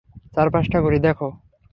চারপাশটা ঘুরে দেখো।